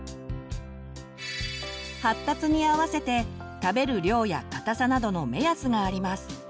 発達に合わせて食べる量や硬さなどの目安があります。